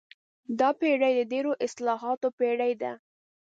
دا پېړۍ د ډېرو اصطلاحاتو پېړۍ ده.